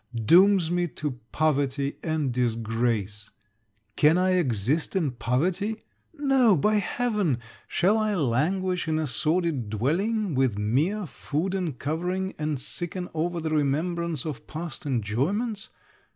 dooms me to poverty and disgrace. Can I exist in poverty? No, by heaven! Shall I languish in a sordid dwelling, with there food and covering, and sicken over the remembrance of past enjoyments?